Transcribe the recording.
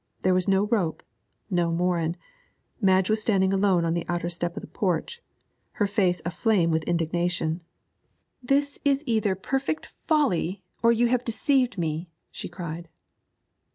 There was no rope, no Morin; Madge was standing alone upon the outer step of the porch, her face aflame with indignation. 'This is either perfect folly or you have deceived me,' she cried.